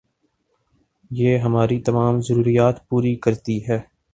یہ ہماری تمام ضروریات پوری کرتی ہے